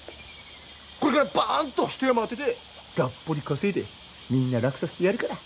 これからバーンと一山当ててがっぽり稼いでみんな楽させてやるから。